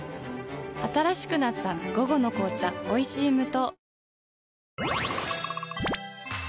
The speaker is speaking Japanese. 新しくなった「午後の紅茶おいしい無糖」